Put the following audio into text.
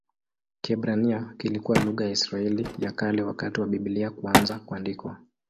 Kiebrania kilikuwa lugha ya Israeli ya Kale wakati wa Biblia kuanza kuandikwa.